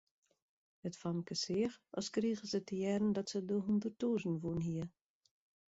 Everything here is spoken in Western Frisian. It famke seach as krige se te hearren dat se de hûnderttûzen wûn hie.